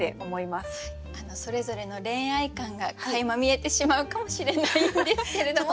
それぞれの恋愛観がかいま見えてしまうかもしれないんですけれども。